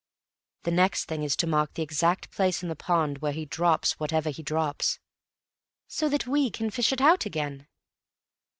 "The next thing is to mark the exact place in the pond where he drops—whatever he drops." "So that we can fish it out again."